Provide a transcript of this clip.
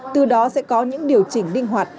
từ đó sẽ có những điều chỉnh linh hoạt